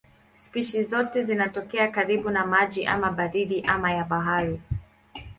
Spishi zote zinatokea karibu na maji ama baridi ama ya bahari.